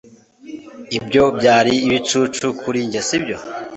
Ibyo byari ibicucu kuri njye sibyo